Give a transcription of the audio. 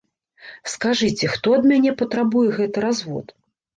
Скажыце, хто ад мяне патрабуе гэты развод?